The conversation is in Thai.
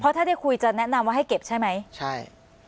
ถ้าได้คุยจะแนะนำว่าให้เก็บใช่ไหมใช่